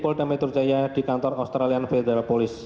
polda metro jaya di kantor australian federa police